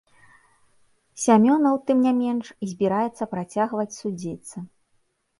Сямёнаў, тым не менш, збіраецца працягваць судзіцца.